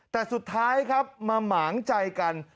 แต่สุดท้ายครับมาหมางใจกัน